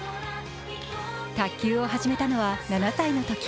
卓球を始めたのは７歳のとき。